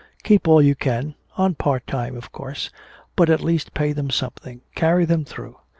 Keep all you can on part time, of course but at least pay them something, carry them through.